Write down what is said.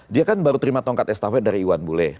dia kan baru terima tongkat estafet dari iwan bule